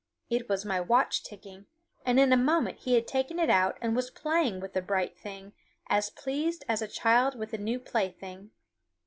It was my watch ticking, and in a moment he had taken it out and was playing with the bright thing, as pleased as a child with a new plaything.